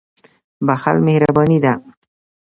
• بښل مهرباني ده.